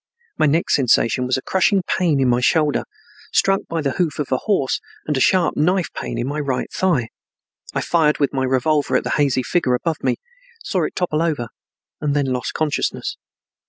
My next sensation was a crushing pain in my shoulder, struck by the hoof of a horse, and a sharp knife pain in my right thigh. I fired with my revolver at the hazy figure above me, saw it topple over and then lost consciousness.